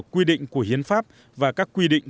quy định của hiến pháp và các quy định